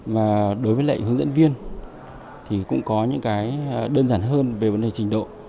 và đối với lại hướng dẫn viên thì cũng có những cái đơn giản hơn về vấn đề trình độ